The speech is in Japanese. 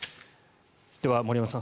では、森山さん